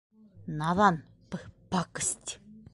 Наҙан, п-пакость...